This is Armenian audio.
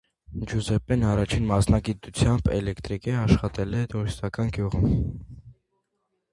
. Ջուզեպպեն առաջին մասնագիտությամբ էլեկտրիկ է, աշխատել է տուրիստական գյուղում։